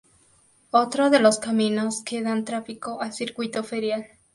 Otro de los caminos que dan tráfico al circuito ferial.